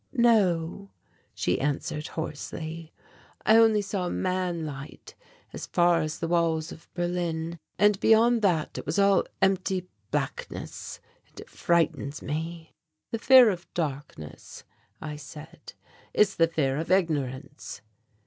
"No," she answered hoarsely, "I only saw man light as far as the walls of Berlin, and beyond that it was all empty blackness and it frightens me." "The fear of darkness," I said, "is the fear of ignorance."